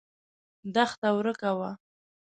دښته ورکه وه.